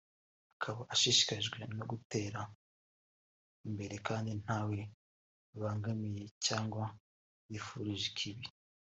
akaba ashishikajwe no gutera imbere kandi ntawe abangamiye cyangwa yifurije ikibi